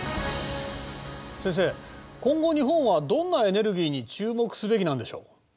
先生今後日本はどんなエネルギーに注目すべきなんでしょう？